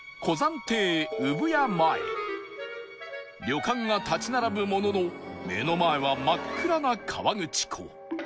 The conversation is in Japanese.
旅館が立ち並ぶものの目の前は真っ暗な河口湖